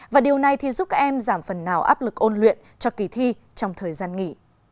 và điều này thì giúp các em giảm phần nào áp lực ôn luyện cho kỳ thi trong thời gian nghỉ